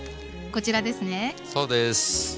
そうです。